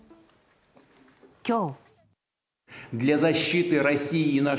今日。